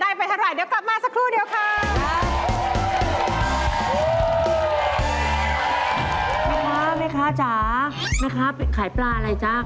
นี่ครับขายปลาอะไรจ๊ะ